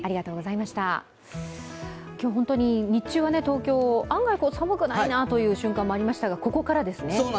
今日本当に日中は、東京、案外寒くないなという瞬間もありましたが、ここからですね。